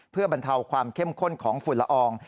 เพื่อบรรเทาความเข้มข้นของฝุ่นละออง